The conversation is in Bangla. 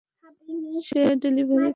সে ডেলিভারি করবে।